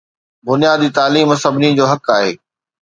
بنيادي تعليم سڀني جو حق آهي